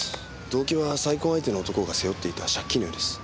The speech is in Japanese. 動機は再婚相手の男が背負っていた借金のようです。